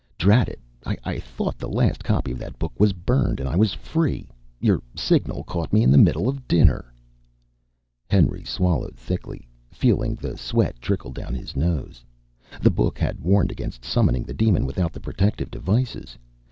Drat it, I thought the last copy of that book was burned and I was free. Your signal caught me in the middle of dinner." Henry swallowed thickly, feeling the sweat trickle down his nose. The book had warned against summoning the demon without the protective devices!